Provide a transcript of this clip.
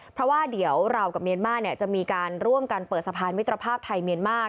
เพราะว่าเดี๋ยวเรากับเมียนมาร์จะมีการร่วมกันเปิดสะพานมิตรภาพไทยเมียนมาร์